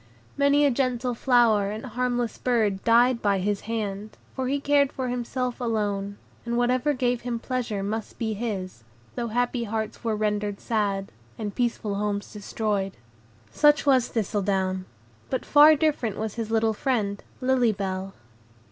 Many a gentle flower and harmless bird died by his hand, for he cared for himself alone, and whatever gave him pleasure must be his, though happy hearts were rendered sad, and peaceful homes destroyed. Such was Thistledown; but far different was his little friend, Lily Bell.